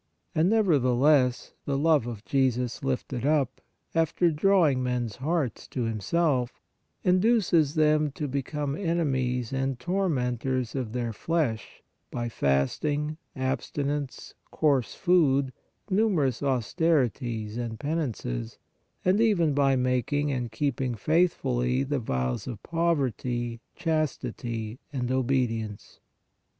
And, nevertheless, the love of "Jesus lifted up," after " drawing men s hearts to Himself," induces them to become enemies and tormentors of their flesh by fasting, abstinence, coarse food, numerous austerities and penances, and even by making and keeping faithfully the vows of poverty, chastity and obedience.